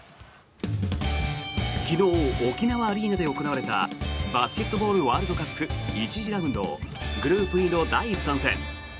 昨日、沖縄アリーナで行われたバスケットボールワールドカップ１次ラウンドグループＥの第３戦。